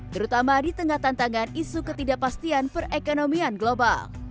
terutama di tengah tantangan isu ketidakpastian perekonomian global